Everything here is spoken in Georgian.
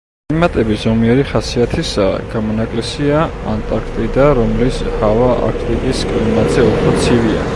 კლიმატები ზომიერი ხასიათისაა, გამონაკლისია ანტარქტიდა, რომლის ჰავა არქტიკის კლიმატზე უფრო ცივია.